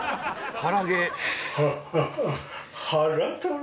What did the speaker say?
腹